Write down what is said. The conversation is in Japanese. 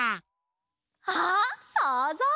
あっそうぞう！